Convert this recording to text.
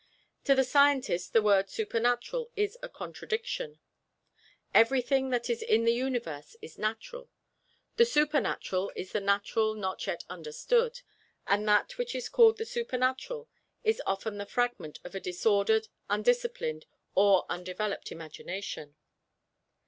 To the scientist the word "supernatural" is a contradiction. Everything that is in the Universe is natural; the supernatural is the natural not yet understood. And that which is called the supernatural is often the figment of a disordered, undisciplined or undeveloped imagination.